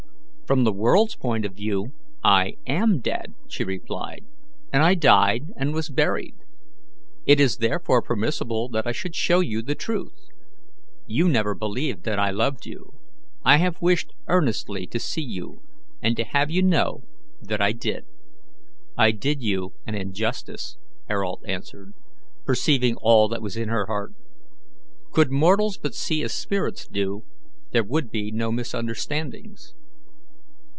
"From the world's point of view I AM dead," she replied. "I died and was buried. It is therefore permissible that I should show you the truth. You never believed I loved you. I have wished earnestly to see you, and to have you know that I did." "I did you an injustice," Ayrault answered, perceiving all that was in her heart. "Could mortals but see as spirits do, there would be no misunderstandings."